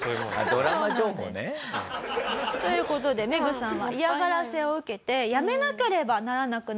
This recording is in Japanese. ドラマ情報ね。という事でメグさんは嫌がらせを受けてやめなければならなくなってしまいました。